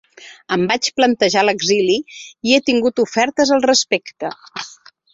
Em vaig plantejar l’exili i he tingut ofertes al respecte.